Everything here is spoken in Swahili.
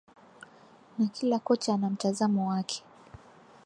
na kila kocha anamtazamo wake